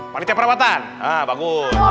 panitia perawatan bagus